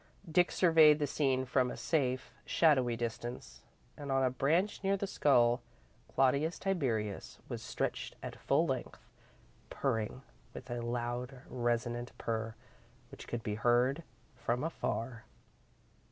Dick surveyed the scene from a safe, shadowy distance, and on a branch near the skull, Claudius Tiberius was stretched at full length, purring with a loud, resonant purr which could be heard from afar.